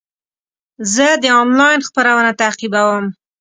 زه د انلاین خپرونه تعقیبوم.